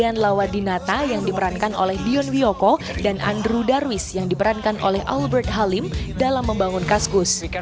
ada lawadinata yang diperankan oleh dion wiyoko dan andrew darwis yang diperankan oleh albert halim dalam membangun kaskus